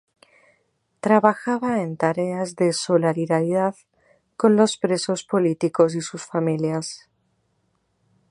Trabajaba en tareas de solidaridad con los presos políticos y sus familias.